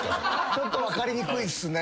ちょっと分かりにくいっすね。